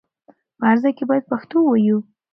په هر ځای کې بايد پښتو ووايو.